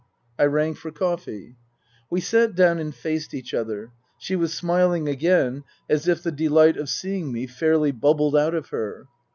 I rang for coffee. We sat down and faced each other. She was smiling again as if the delight of seeing me fairly bubbled out of her.